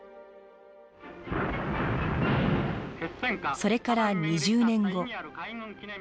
それから２０年後。